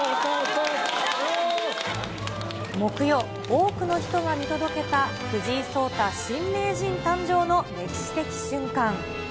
木曜、多くの人が見届けた藤井聡太新名人誕生の歴史的瞬間。